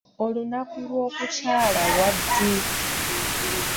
Olunaku lw'okukyala lwa ddi?